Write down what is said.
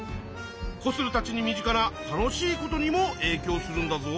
コスルたちに身近な楽しいことにもえいきょうするんだぞ。